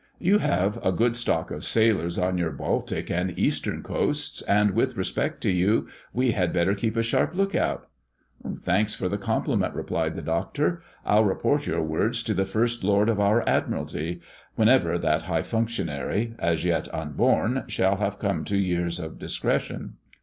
You have a good stock of sailors on your Baltic and Eastern coasts, and with respect to you we had better keep a sharp look out." "Thanks for the compliment," replied the Doctor. "I'll report your words to the First Lord of our Admiralty, whenever that high functionary, as yet unborn, shall have come to years of discretion."